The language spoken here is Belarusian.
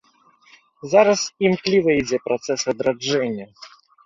Зараз імкліва ідзе працэс адраджэння.